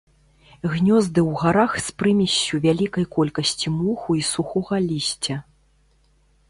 Гнёзды ў гарах з прымессю вялікай колькасці моху і сухога лісця.